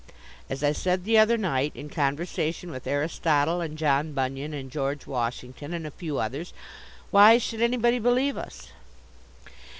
As I said the other night, in conversation with Aristotle and John Bunyan and George Washington and a few others, why should anybody believe us?